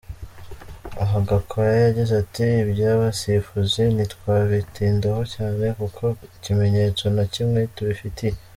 Aha Gwakaya yagize ati : "Iby’abasifuzi ntitwabitindaho cyane, kuko kimenyetso na kimwe tubifitiye.